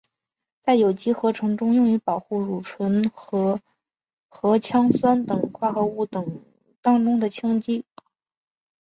在有机合成中用于保护如醇和羧酸等化合物当中的羟基。